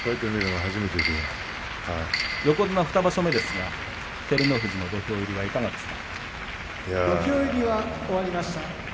横綱２場所目ですが照ノ富士の土俵入りはどうですか。